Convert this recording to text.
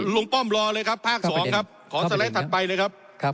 ลุงป้อมรอเลยครับภาค๒ครับ